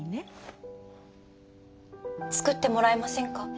作ってもらえませんか？